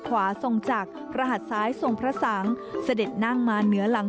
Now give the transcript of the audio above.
ขวาทรงจักรพระหัดซ้ายทรงพระสังเสด็จนั่งมาเหนือหลัง